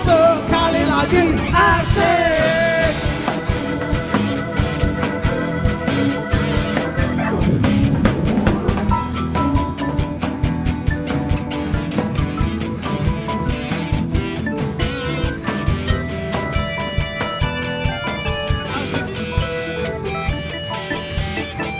sekali lagi asik